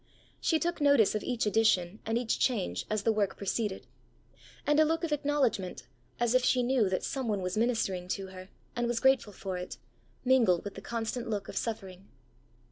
She took notice of each addition and each change as the work proceeded; and a look of acknowledgment, as if she knew that some one was ministering to her, and was grateful for it, mingled with the constant look of suffering.